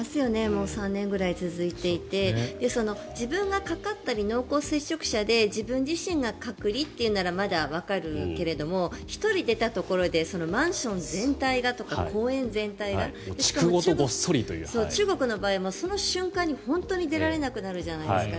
もう３年ぐらい続いていて自分がかかったり、濃厚接触者で自分自身が隔離というならまだわかるけども１人出たところでマンション全体がとか公園全体がというしかも中国の場合はその瞬間に本当に出られなくなるじゃないですか。